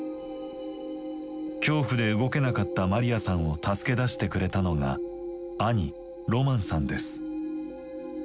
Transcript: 恐怖で動けなかったマリアさんを助け出してくれたのが兄ロマンさんです。